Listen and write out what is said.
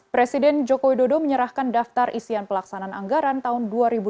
presiden joko widodo menyerahkan daftar isian pelaksanaan anggaran tahun dua ribu dua puluh